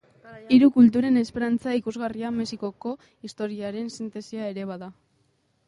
Hiru Kulturen enparantza ikusgarria Mexikoko historiaren sintesia ere bada.